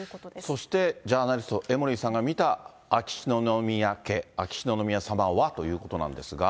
そして、ジャーナリスト、江森さんが見た秋篠宮家、秋篠宮さまはということなんですが。